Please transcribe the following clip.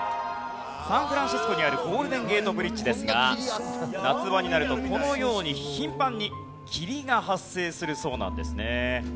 サンフランシスコにあるゴールデンゲートブリッジですが夏場になるとこのように頻繁に霧が発生するそうなんですね。